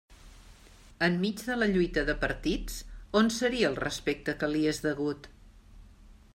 Enmig de la lluita de partits, ¿on seria el respecte que li és degut?